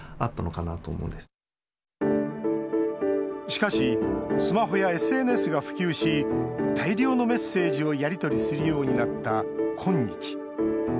しかしスマホやＳＮＳが普及し大量のメッセージをやり取りするようになった今日。